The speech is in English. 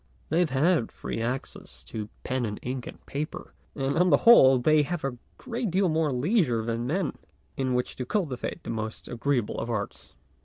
They have had free access to pen and ink and paper, and on the whole they have had a great deal more leisure than men in which to cultivate the most agreeable of arts.